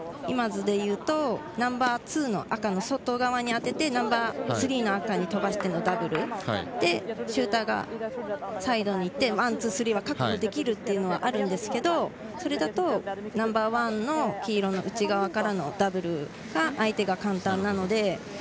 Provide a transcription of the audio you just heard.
今、図で言うとナンバーツーの赤の外側に当ててナンバースリーの赤に飛ばしてのダブルでシューターがサイドに行ってワン、ツー、スリーは確保できるというのはあるんですけど、それだとナンバーワンの黄色の内側からのダブルが相手が簡単なので。